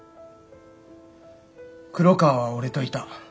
黒川は俺といた。